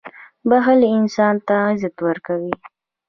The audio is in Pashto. • بښل انسان ته عزت ورکوي.